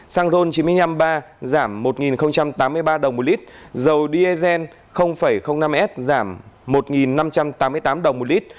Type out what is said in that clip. xăng ron chín mươi năm ba giảm một tám mươi ba đồng một lít dầu diesel năm s giảm một năm trăm tám mươi tám đồng một lít